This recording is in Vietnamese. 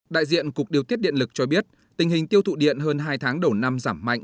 đại diện cục điều tiết điện lực cho biết tình hình tiêu thụ điện hơn hai tháng đầu năm giảm mạnh